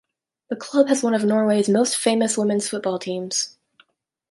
The club has one of Norway's most famous women's football teams.